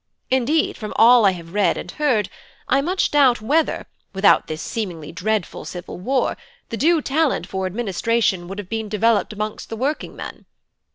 Indeed, from all I have read and heard, I much doubt whether, without this seemingly dreadful civil war, the due talent for administration would have been developed amongst the working men.